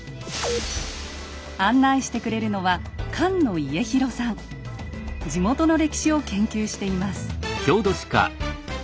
案内してくれるのは地元の歴史を研究しています。